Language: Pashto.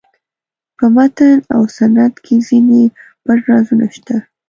په متن او سنت کې ځینې پټ رازونه شته.